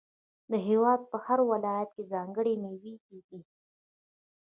د هیواد په هر ولایت کې ځانګړې میوې کیږي.